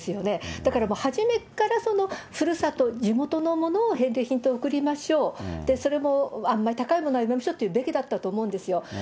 だから初めっから、ふるさと、地元のものを返礼品で送りましょう、それもあんまり高いものはやめましょうって言うべきだったと思うんですよ。